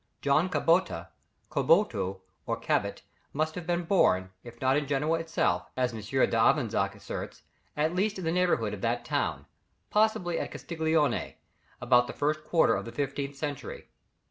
John Cabota, Caboto or Cabot must have been born, if not in Genoa itself, as M. d'Avezac asserts, at least in the neighbourhood of that town, possibly at Castiglione, about the first quarter of the fifteenth century.